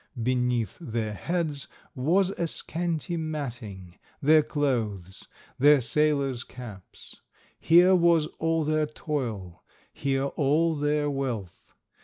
Beneath their heads was a scanty matting, their clothes, their sailor's caps. Here was all their toil, here all their wealth.